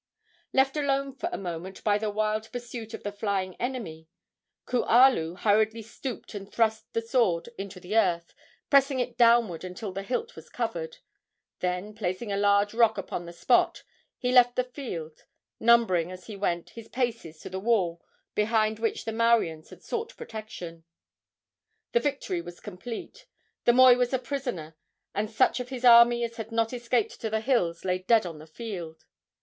Left alone for a moment by the wild pursuit of the flying enemy, Kualu hurriedly stooped and thrust the sword into the earth, pressing it downward until the hilt was covered; then, placing a large rock upon the spot, he left the field, numbering, as he went, his paces to the wall behind which the Mauians had sought protection. The victory was complete. The moi was a prisoner, and such of his army as had not escaped to the hills lay dead on the field.